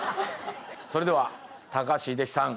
それでは高橋英樹さん